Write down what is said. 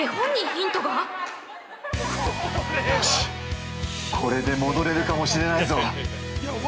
◆よし、これで戻れるかもしれないぞ！